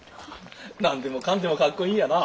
何でもかんでもかっこいいんやな。